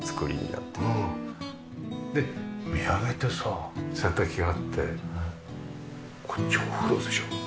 で見上げてさ洗濯機があってこっちお風呂でしょ。